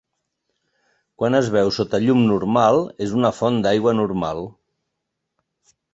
Quan es veu sota llum normal, és una font d'aigua normal.